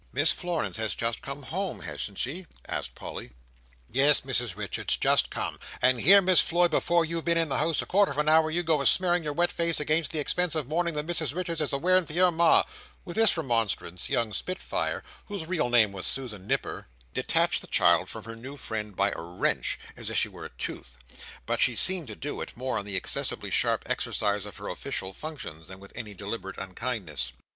"Miss Florence has just come home, hasn't she?" asked Polly. "Yes, Mrs Richards, just come, and here, Miss Floy, before you've been in the house a quarter of an hour, you go a smearing your wet face against the expensive mourning that Mrs Richards is a wearing for your Ma!" With this remonstrance, young Spitfire, whose real name was Susan Nipper, detached the child from her new friend by a wrench—as if she were a tooth. But she seemed to do it, more in the excessively sharp exercise of her official functions, than with any deliberate unkindness.